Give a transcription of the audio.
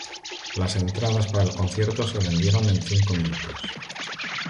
Las entradas para el concierto se vendieron en cinco minutos.